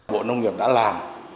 bộ nông nghiệp đã làm